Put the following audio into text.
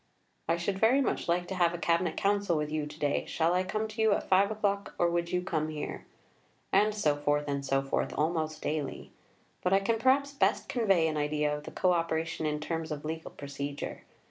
"I should very much like to have a Cabinet Council with you to day. Shall I come to you at 5 o'c., or would you come here?" And so forth, and so forth, almost daily. But I can perhaps best convey an idea of the co operation in terms of legal procedure.